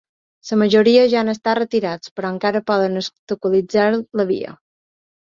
La majoria ja han estat retirats però encara poden obstaculitzar la via.